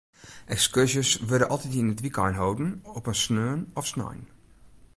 Ekskurzjes wurde altyd yn it wykein holden, op in sneon of snein.